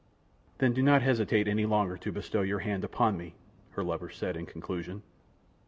"Then do not hesitate any longer to bestow your hand upon me," her lover said, in conclusion.